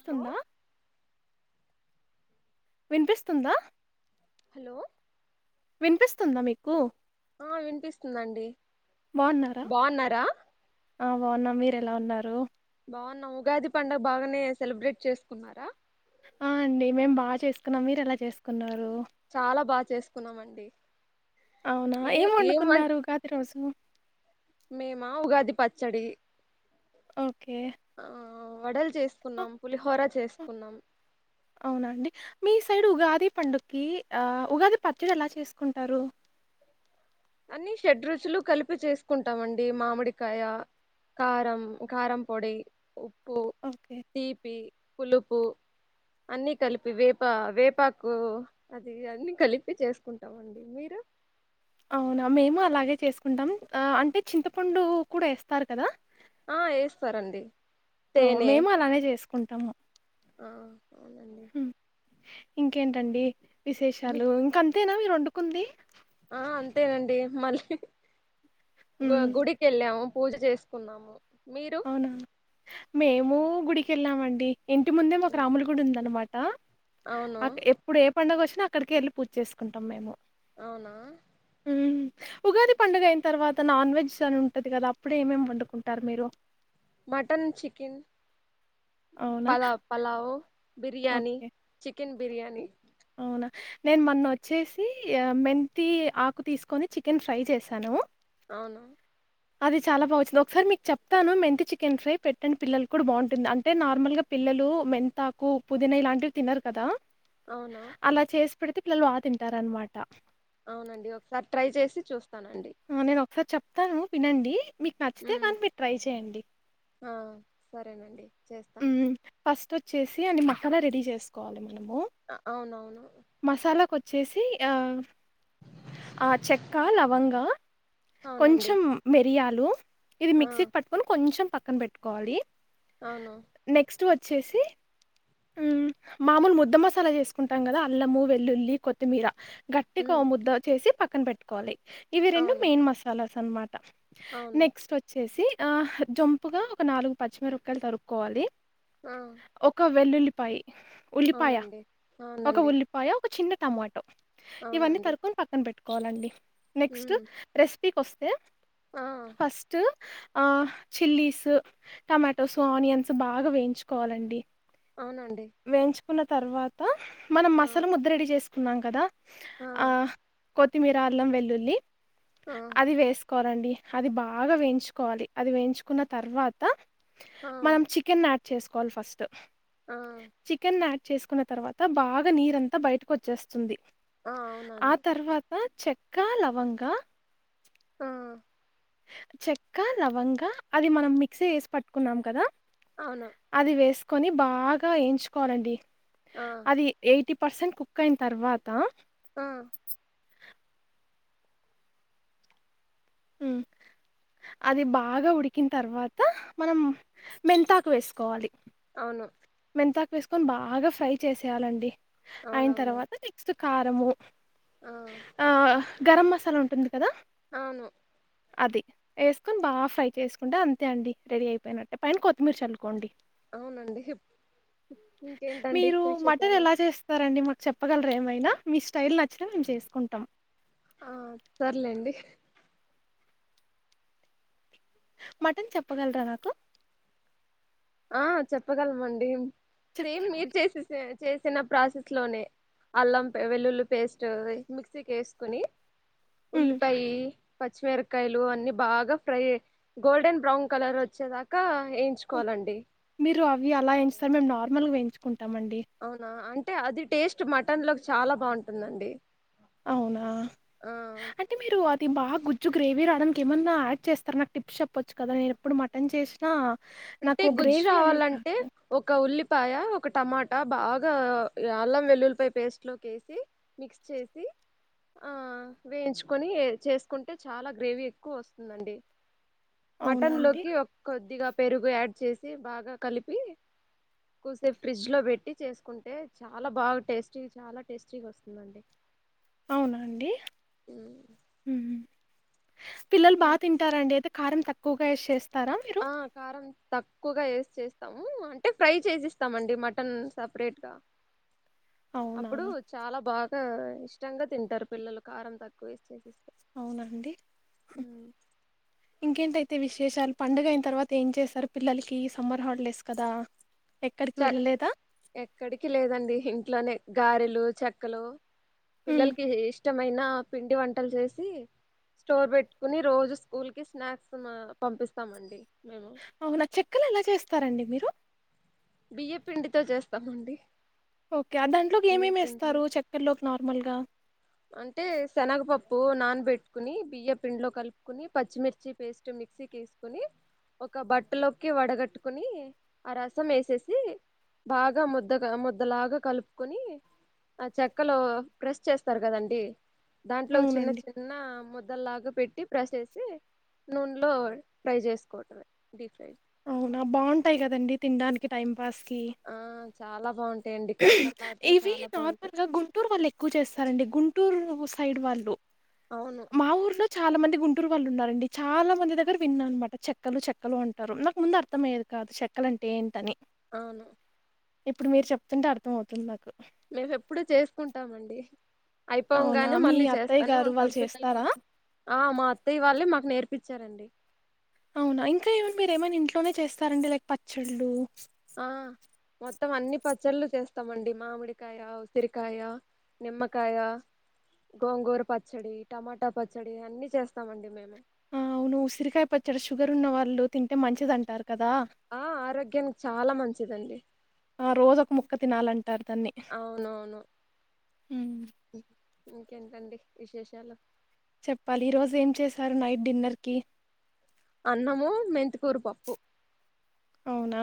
Hello వినిపిస్తుందా hello వినిపిస్తుందా మీకు ఆ వినిపిస్తుందండి బాగున్నారా బాగున్నారా ఆ బాగున్నాం మీరు ఎలా ఉన్నారు బాగున్నా ఉగాది పండుగ బాగానే సెలబ్రేట్ చేసుకున్నారా ఆ అండి మేం బాగా చేసుకున్నాం మీరు ఎలా చేసుకున్నారు చాలా బాగా చేసుకున్నామ అండి అవునా ఏం వండుకున్నారు ఉగాది రోజు మేమా ఉగాది పచ్చడి ఓకే ఆ వడలు చేసుకున్నాం పులిహోర చేసుకున్నాం అవునాండి మీ సైడ్ ఉగాది పండుగకి ఆ ఉగాది పచ్చడి ఎలా చేసుకుంటారు అన్ని షెడ్ రుచులు కలిపి చేసుకుంటామండి మామిడికాయ కారం కారం పొడి ఉప్పు ఓకే తీపి పులుపు అన్ని కలిపి వేపా వేపాకు అది అన్ని కలిపి చేసుకుంటామండి మీరు అవునా మేము అలాగే చేసుకుంటాం అంటే చింతపండు కూడా ఎస్తారు కదా ఆ ఎస్తారండి ఓ మేము అలానే చేసుకుంటాము అవునండి ఉమ్, ఇంకేంటండి మీ విశేషాలు ఇంక అంతేనా మీరు వండుకుంది ఆ అంతేనండి మళ్ళీ ఉమ్, గుడికి వెళ్ళాము పూజ చేసుకున్నాము మీరు అవునా మేము గుడికి వెళ్ళామండి ఇంటి ముందే మాకు రాములు గుడి ఉంది అన్నమాట అవును అ ఎప్పుడు ఏ పండుగ వచ్చినా అక్కడికి వెళ్ళి పూజ చేసుకుంటాం మేము అవునా ఉమ్ ఉగాది పండుగ అయిన తర్వాత అ నాన్ వెెజ్ అని ఉంటుది కదా అప్పుడు ఏమేం వండుకుంటారు మీరు మటన్ చికెన్ అవునా పలా పలావ్ బిర్యానీ ఓకే చికెన్ బిర్యానీ అవునా నేను మొన్న వచ్చేసి మెంతి ఆకు తీసుకొని చికెన్ ఫ్రై చేశాను అవున అది చాలా బా వచ్చింది ఒకసారి మీకు చెప్తాను మెంతి చికెన్ ఫ్రై పెట్టండి పిల్లలు కూడా బాగుంటుంది అంటే నార్ల్గా పిల్లలు మెంతాకు పుదీనా ఇలాంటివి తిన్నారు కదా అవునా ఇప్పుడు అయితే పిల్లలు ఆ తింటారన్నమాట అవునండి ఒకసారి ట్రై చేసి చూస్తానండి సార్ చెప్తాను వినండి మీకు నచ్చితే ఉమ్ కానీ మీరు ట్రై చేయండి ఆ సరేనండి చేస్తాను చేసి అని మక్కలా రెడీ చేసుకోవాలి మనం అవునవును వచ్చేసి ఆ ఆ చెక్క లవంగా అవునండి కొంచెం మిరియాలు ఇది ఆ మిక్సీ క పట్టుకొని కొంచెం పక్కన పెట్టుకోవాలి అవును వచ్చేసి ఉ మామూలు ముద్ద మసాలా చేసుకుంటాం కదా అల్లము వెల్లుల్లి కొత్తిమీర గట్టిగా ఉమ్ ముద్ద చేసి పక్కన పెట్టుకోవాలి ఇవి రెండు అవును మెయిన్ మసాలాస్ అనమాట అవును నెక్స్ట్ వచ్చేసి ఆ జంపుగా ఒక నాలుగు పచ్చిమిరపక్కయలు తరుక్కోవాలి ఆ ఉల్లు ఉల్లిపాయ ఉల్లిపాయ అవునండి ఒక అవునండి ఉల్లిపాయ ఒక చిన్న టమాటో ఇవన్నీ అవునండి తరుకొని పక్కన పెట్టుకోవాలండి నెక్స్ట్ ఉమ్ రెసిపీకి వస్తే ఆ ఫస్ట్ ఆ చిల్లీస్ టొమాటోస్ ఆనియన్స్ బాగా వేయించుకోవాలండి అవునండి వేయించుకున్న తర్వాత మనం ఆ మసాలా ముద్ద రెడీ చేసుకున్నాం కదా ఆ కొత్తిమీర అల్లం వెల్లుల్లి ఆ అది వేసు కోవాలండి అది బాగా వేయించుకోవాలి అది వేయించుకున్న తర్వాత ఆ మనం చికెన్ యాడ్ చేసుకోవాలి ఫస్ట్ ఆ చికెన్ యాడ్ చేసుకున్న తర్వాత బాగా నీరంతా బయటకు వచ్చేస్తుంది ఆ ఆ అవునండి తర్వాత చెక్క లవంగా ఆ చెక్క లవంగా అది మనం మిక్సీ వేసి పట్టుకున్నాం కదా అవును అది వేసుకొని బాగా ఎయించుకోవాలండి ఆ అది ఎయిటీ పర్సెంట్ కుక్ అయిన తర్వాత ఆ హామ్ అది బాగా ఉడికిన తర్వాత మనం మెంతాకు వేసుకోవాలి అవును మెంతాకు వేసుకొని బాగా ఫ్రై చేసేయాలండి అయిన అవునవునండి తర్వాత నెక్స్ట్ కారము ఆ ఆ గరం మసాలా ఉంటుంది కదా అవును అది ఎసుకొని బా ఫ్రై చేసుకుంటే అంతే అండి రెడీ అయిపోయినట్టే పైన కొత్తిమీరచల్లుకోండి అవునండి ఇంకేంటండి మీరు మటన్ విశేషాలు ఎలా చేస్తారండి మాక్ చెప్పగలరా ఏమైనా మీ స్టైల్ నచ్చితే మేము చేసుకుంటాం ఆ సర్లేండి మటన్ చెప్పగలరా నాకు ఆ చెప్పగలమండి చెప్ప సేమ్ మీరు చేసేసే చేసిన ప్రాసెస్ లోనే అల్లం పే వెల్లుల్లి పేస్ట్ మిక్సీకి వేసుకుని హ్మ్. ఉల్లిపాయి పచ్చిమిరకాయలు అన్ని బాగా ఫ్రై గోల్డెన్ బ్రౌన్ కలర్ వచ్చేదాకా ఓహ్! ఎయించుకోవాలండి మీరు అవి అలా ఎయించుస్తారు మేము నార్మల్గా వేయించుకుం అవునా అంటే అది టేస్ట్ మటన్ లోకి చాలా బావుంటుందండి అవునా అంటే మీరు ఆ దీ బా గుజ్జు గ్రేవీ రాడానికి ఏమన్నా యాడ్ చేస్తారా నాకు టిప్స్ చెప్పొచ్చు కదా నేను ఎప్పుడు మటన్ చేసినా అంటే నాకు గుజ్జు గ్రేవీ అనేది రావాలంటే రాదు. ఒక ఉల్లి పాయ ఒక టమాటా బాగా అల్లం వెల్లులిపాయ పేస్ట్ లోకి వేసి మిక్స్ చేసి ఆ వేయించుకొని చేసుకుంటే చాలా గ్రేవీ ఎక్కువ వస్తుందండి అవునా మటన్ అండి? లోకి కొద్దిగా పెరుగు యాడ్ చేసి బాగా కలిపి కుసేపు ఫ్రిడ్జ్ లో పెట్టి చేసుకుంటే చాలా బాగా టేస్టీ చాలా టేస్టీగా వస్తుందండి అవునా అండి మ్ పిల్లలు ఉమ్. బాగా తింటారండి అయితే కారం తక్కువగా ఎసి చేస్ ఆ కారం తక్కువగా వేసి చేస్తాము అంటే ఫ్రై చేసీస్తామండి మటన్ సెపరేట్ గా అవునా! అప్పుడు చాలా బాగా ఇష్టంగా తింటారు పిల్లలు కారం తక్కువేసి చేస్ అవునండి ఇంకేంట తే విశేషాలు పండుగ అయిన తర్వాత ఏం చేసారు పిల్లలకి సమ్మర్ హాలిడేస్ కదా ఎక్కడికి చ వెళ్ళలేదా ఎక్కడికి లేదండి ఇంట్లోనే గారెలు చెక్కలు ఉమ్ పిల్లలకి ఇష్టమైన పిండి వంటలు చేసి స్టోర్ పెట్టుకుని రోజు స్కూల్ కి స్నాక్స్ మా పంపిస్తామండి మేము అవునా చెక్కలు ఎలా చేస్తారండి మీరు బియ్య పిండితో చేస్తామండి ఓకే ఆ దాంట్లోకి బియ్య ఏమేమి పిండిలో ఎస్తారు చేకల్లోకి నార్మల్గా అంటే శనగపప్పు నానబెట్టుకుని బియ్య పిండిలో కలుపుకుని పచ్చిమిర్చి పేస్ట్ మిక్సీకి వేసుకుని ఒక బట్టలోకి వడగట్టుకుని ఆ రసం వేసేసి బాగా ముద్ద ముద్దలాగా కలుపుకొని ఆ చెక్కలో ప్రెస్ చేస్ తర్ కదండి దాంట్లో చిన్న అవునండి చిన్న ము ద్దలాగా పెట్టి ప్రెస్ చేసి నూనెలో ఫ్రై చేసుకోవటమే డీప్ ఫ్రై అవునా బావుంటాయి కదండి తినడానికి టైం పాస్ కి ఆ చాలా బా ఇవి నార్మల్గా గుంటూరు వాళ్ళు ఎక్కువ చేస్తారండి గుంటూరు సైడ్ వాళ్ళు అవును మా ఊర్లో చాలా మంది గు టూరు వాళ్ళు ఉన్నారండి చాలా మంది దగ్గర విన్నాను అనమాట చెక్కలు చెక్కలు అంటారు నాకు ముందు అర్థంమయ్యేది కాదు చెక్కలు అం టే ఎంటని అవును ఇప్పుడు మీరు చెప్తుంటే అర్థం అవుతుంది నాకు మేము ఎప్పుడు చేసుకుంటామండి అవునా అయిపోగనే మీ మళ్ళీ అత్తయ్య చేస్తానే గారు ఉంటాం వాళ్ళు పిల్లల చేస్తారా కోసం ఆ మా అత్తయ్య వాళ్ళే మాకు నేర్పి ప్పించారండి అవునా ఇంకా ఏవన్న మీరు ఏమైనా ఇంట్లోనే చేస్తారండి లైక్ పచ్చళ్ళు ఆ మొత్తం అన్ని పచ్చళ్ళు చేస్తామండి మామిడికాయ ఉసిరికాయ నిమ్మకాయ గోంగూర పచ్చడి టమాటా పచ్చడి అన్ని చేస్తామండి మేము ఆ అవును ఉసిరికాయ పచ్చడి షుగర్ ఉన్న వాళ్ళు తింటే మంచిదంటారు ఆ ఆరోగ్యానికి చాలా మంచిదండి ఆ రోజు ఒక ముక్క తినాలి అంటారు దాన్ని అవునవును ఇంకెంటండి విశేషాలు చెప్పాలి ఈ రోజు ఏం చేశారు నైట్ డిన్నర్ కి అన్నము మెంతికూరు పప్పు అవునా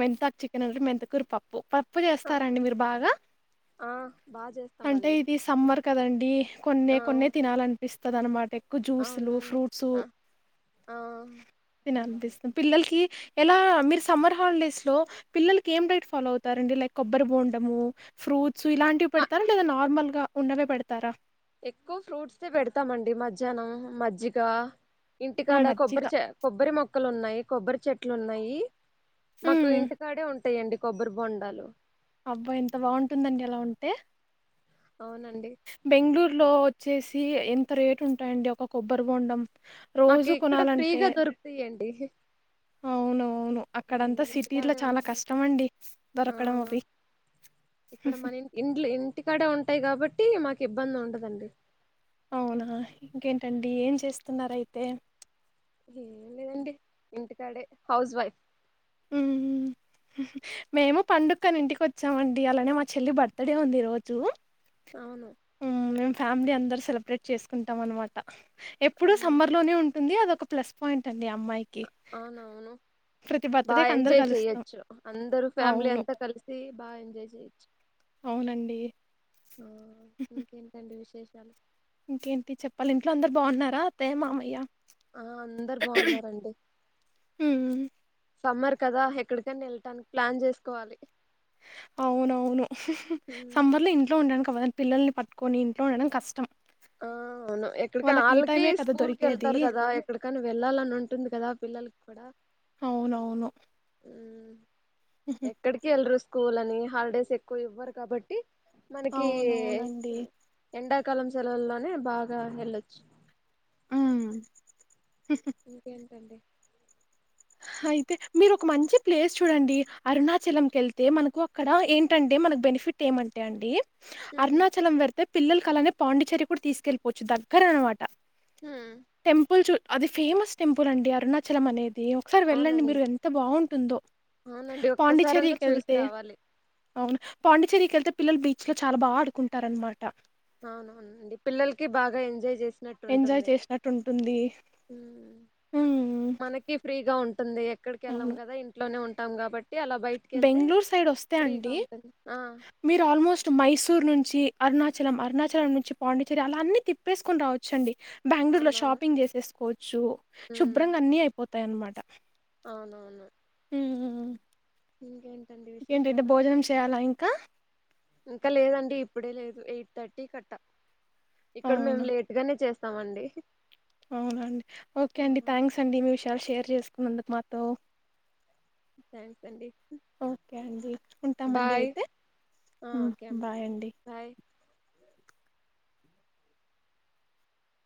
మెంతాక్ చికెన్ అంటే మెంతికూర పప్పు ప ప్పు ఆ చేస్తారండి మీరు బాగా ఆ బాగా అంటే చేస్తామండి ఇది సమ్మర్ కదండి కొన్ని ఆ కొన్ని తినాలనిపిస్తది అన్నమాట జ్యూసులు అవునవును ఫ్రూట్స్ ఆ ఆ తిననిపిస్తుంది పిల్లలకి ఎలా మీరు సమ్మర్ హాలిడేస్ లో పిల్లలకి ఏం డైట్ ఫాలో అవుతారండి లైక్ కొబ్బరి బోండము ఫ్రూట్ ఇలాంటివి మా పెడతారా లేదా నార్మల్ గా ఉన్నవే పెడతారా ఎక్కువ ఫ్రూట్స్యే పెడతామండి మధ్యాహ్నం మజ్జిగ ఆ! ఇంటికాడ మజ్జిగ. కొబ్బరి చె కొబ్బరి మొక్కలు ఉన్నాయి కొబ్బరి చెట్లు ఉన్నాయి మాకు హ్మ్. ఇంటికాడే ఉంటాయండి కొబ్బరి బొండాలు అబ్బా ఎంత బాగుంటుందండి అలా ఉంటే అవునండి బెంగళూరులో వచ్చేసి ఎంత రేటు ఉంటాయండి ఒక కొబ్బరి బోండం రోజు మాకు ఇక్కడ కొనాలంటే ఫ్రీగా దొరుకుతాయండి అవును అవును ఉమ్, అక్కడంతా సిటీలో ఇంటికాడే చాలా ఉంటాయి కష్టం అండి ఆ దొరకడం అవి ఇక్కడ మన ఇంట్ ఇంటికాడే ఉంటాయి కాబట్టి మాకు ఇబ్బంది ఉండదండి అవునా ఇంకేంటండి ఏం చేస్తున్నారయితే ఏం లేదండి ఇంటికాడే హౌస్ వైఫ్ ఉమ్ మేము పండుక్కని ఇంటికి వచ్చామండి అలానే మా చెల్లి బర్త్డే ఉంది ఈ రోజు అవును మేం ఫ్యామిలీ అందరు సెలబ్రేట్ చేసుకుంటాం అన్నమాట ఎప్పుడు అవును సమ్మర్ లోనే ఉం ఉంది అది ఒక ప్లస్ పాయింట్ అండి ఆ అమ్మాయికి అవునవును ప్రతి బా బర్త్డేకి అందరు ఎంజాయ్ కలుస్తాం చెయచ్చు అందరూ ఫ్యామిలీ అవును అంతా కలిసి బాగా ఎంజాయ్ చెయొచ్చు అవునండి ఆ ఇంకేంటండి విశేషాలు ఇంకేంటి చెప్పాలి ఇంట్లో అందరు బాగున్నారా అత్తయ్య మామయ్య ఆ అందరు బాగున్నారండి ఉమ్ సమ్మర్ కదా ఎక్కడికైనా వెళ్టానికి ప్లాన్ చేసుకోవాలి అవునవును ఉమ్, సమ్మర్ లో ఇంట్లో ఉండడానికి అవ్వద పిల్లల్ని పట్టుకొని ఇంట్లో ఉండడం కష్టం ఆ అవును ఎక్కడికనా ఈ వాళ్ళకి టైమే కదా స్కూల్కి దొరికేది వెళ్తారు కదా ఎక్కడికైనా వెళ్ళాలని ఉంటుంది కదా పిల్లలకి కూడా అవునవును ఉమ్, ఎక్కడికి వెళ్లరు స్కూల్ అని హాలిడేస్ ఎక్కువ ఇవ్వరు కాబట్టి మనకి అవునవునండి ఎండా కలం సెలవుల్లోనే బాగా వెళ్ళొచ్చు హుమ్ ఇంకేంటండి అయితే మీరు ఒక మంచి ప్లేస్ చూడండి అరుణాచలం కి వెళ్తే మనకు అక్కడ ఏంటంటే మన బెనిఫిట్ ఏమంటే అండి ఉమ్, అరుణాచలం వెడితే పిల్లల కలానే పాండిచేరి కూడా తీసుకెళ్లిపోవచ్చు దగ్గర అన్నమాట ఉమ్, టెంపుల్ చూ అది ఫేమస్ టెంపుల్ అండి అరుణాచలం అనేది ఒకసారి వెళ్ళండి అవునండి మీరు ఎంత బాగుంటుందో అవునండి ఒక్కసారన్నా పాండిచ్చేరికి చూసి వెళ్తే రావాలి అవును పాండిచ్చేరికి వెళ్తే పిల్లలు బీచ్ లో చాలా బాగా ఆడుకుంటారు అన్నమాట అవునవునండి పిల్లలకి బాగా ఎజాయ్ చేసి ట్టు ఎంజాయ్ ఉంటుంది చేసినట్టు ఉంటుంది ఉమ్ మనకి ఫ్రీగా ఉంటు ఎక్కడికెళ్లాం అవును కదా ఇంట్లోనే ఉంటాం కాబట్టి అలా బయటికి వెళ్తే బెంగళూరు సైడ్ వస్తే ఫ్రీగా అండి ఉంటుంది ఆ మీరు ఆల్మోస్ట్ మైసూర్ నుంచి అరుణాచలం అరుణాచలం నుంచి పాండిచేరి అలా అన్నన్ని తిప్పేసుకొని రావచ్చండి బెంగళూరు లో అవునవును షాపింగ్ చేసేసుకోవచ్చు ఉమ్ శుభ్రంగా అన్ని అయిపోతాయ అన్నమాట అవునవును ఉ [unintelligible] ఇంకేంటింటతే విశేషాలు భోజనం చేయ్యాలా ఇంకా ఇంకా లేదండి ఇప్పుడే లేదు ఎయిట్ థర్టీ కట్ట ఇక్కడ మేము లేట్ గానే చేస్తాం ఇస్తామండి అవునాండి ఓకే అండి థ్యాంక్స్ అండి మీ విషయాలు షేర్ చేసుకున్నందుకు మాతో థాంక్స్ అండి ఓకే అండి. ఉంటామండి బయ్ అయితే. ఆ హ్మ్. కేం బాయ్ అండి. బయ్